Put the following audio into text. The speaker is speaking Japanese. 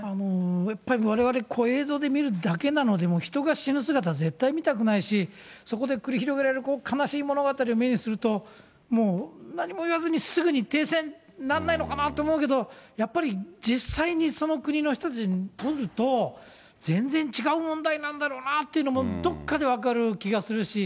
やっぱりわれわれ、映像で見るだけなので、人が死ぬ姿絶対に見たくないし、そこで繰り広げられる悲しい物語を目にすると、もう何も言わずに、すぐに停戦になんないのかなって思うけど、やっぱり実際にその国の人たちにとると、全然違う問題なんだろうなと、どっかで分かる気がするし。